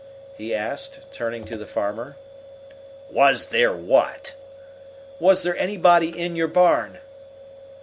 he asked, turning to the farmer. "Was there what?" "Was there anybody in your barn?"